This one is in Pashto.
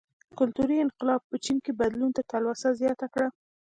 کلتوري انقلاب په چین کې بدلون ته تلوسه زیاته کړه.